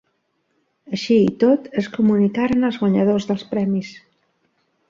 Així i tot, es comunicaren els guanyadors dels premis.